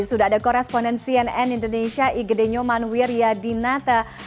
sudah ada koresponen cnn indonesia igede nyoman wiryadinata